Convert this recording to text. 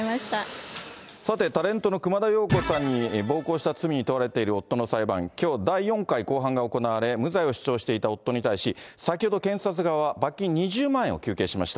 さて、タレントの熊田曜子さんに暴行した罪に問われている夫の裁判、きょう、第４回公判が行われ、無罪を主張していた夫に対し、先ほど検察側、罰金２０万円を求刑しました。